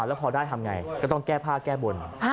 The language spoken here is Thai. แล้วพอได้ทำไงก็ต้องแก้ผ้าแก้บน